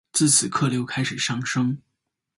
自此客流开始上升。